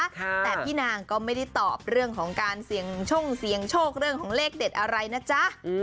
แต่พี่นางก็ไม่ได้ตอบเรื่องของการเสี่ยงช่งเสียงโชคเรื่องของเลขเด็ดอะไรนะจ๊ะ